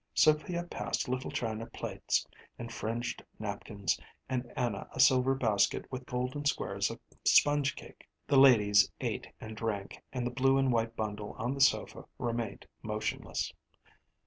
Sophia passed little china plates and fringed napkins, and Anna a silver basket with golden squares of sponge cake. The ladies ate and drank, and the blue and white bundle on the sofa remained motionless.